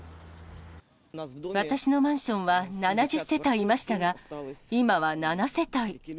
私のマンションは７０世帯いましたが、今は７世帯。